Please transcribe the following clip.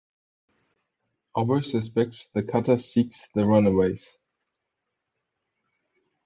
Aubrey suspects the cutter seeks the runaways.